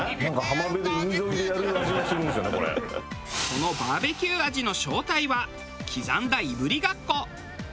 このバーベキュー味の正体は刻んだいぶりがっこ。